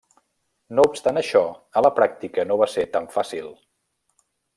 No obstant això, a la pràctica no va ser tan fàcil.